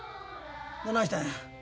どないしたんや？